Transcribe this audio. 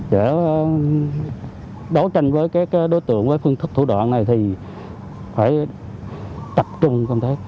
để đấu tranh với đối tượng với phương thức thủ đoạn này thì phải tập trung